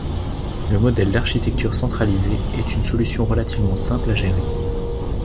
Le modèle d'architecture centralisée est une solution relativement simple à gérer.